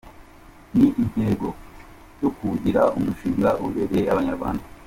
Ni intego yo kuwugira umushinga ubereye Abanyarwanda.